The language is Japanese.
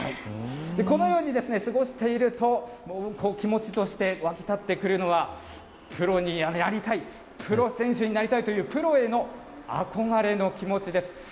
このように過ごしていると、気持ちとして、湧き立ってくるのは、プロになりたい、プロ選手になりたいという、プロへのあこがれの気持ちです。